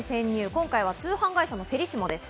今回は通販会社のフェリシモです。